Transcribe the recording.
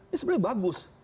ini sebenarnya bagus